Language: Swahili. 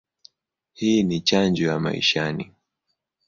Hii ni chanjo ya maishani.